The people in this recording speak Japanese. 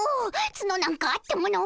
ツノなんかあってもの。